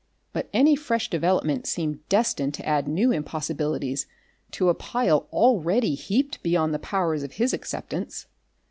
But any fresh development seemed destined to add new impossibilities to a pile already heaped beyond the powers of his acceptance.